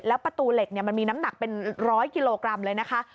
แล้วประตูเหล็กมันมีน้ำหนักเป็น๑๐๐กิโลกรัมเลยนะคะ